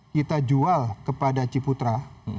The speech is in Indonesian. kita jual kepada ciputra